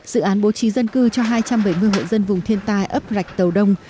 dự án bố trí dân cư cho hai trăm bảy mươi hộ dân vùng thiên tai ấp rạch tàu đông